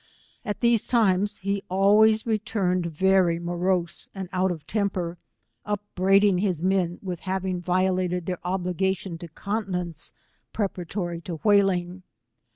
At these times he always returned very morose and out of temper, up braiding his men with having violated their obliga tion to continence preparatory to whaling.